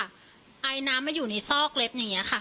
อายน้ำมาอยู่ในซอกเล็บอย่างนี้ค่ะ